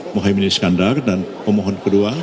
mohamad iskandar dan pemohon dua